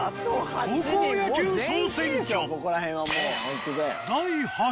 高校野球総選挙。